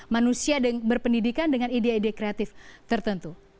manusia berpendidikan dengan ide ide kreatif tertentu